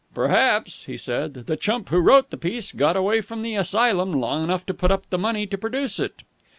"Perhaps," he said, "the chump who wrote the piece got away from the asylum long enough to put up the money to produce it."